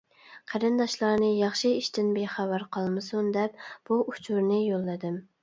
قېرىنداشلارنى ياخشى ئىشتىن بىخەۋەر قالمىسۇن دەپ بۇ ئۇچۇرنى يوللىدىم!